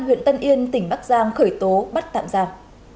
huyện tân yên tỉnh bắc giang khởi tố bắt tạm giam